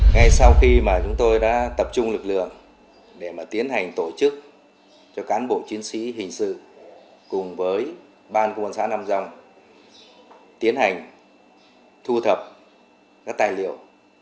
ngay sau khi mà chúng tôi đã tập trung lực lượng để mà tiến hành tổ chức cho cán bộ chiến sĩ hình sự cùng với ban công an xã nam dòng tiến hành thu thập các tài liệu